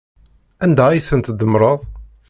Anda ay tent-tdemmreḍ?